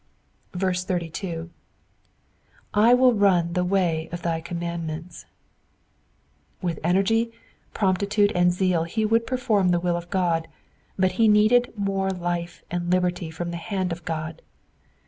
82. / wiU run the ttay of thy commandments,'*^ With energy, promptitude, and zeal he would perform the will of God, but he needed more life and liberty from the hand of God.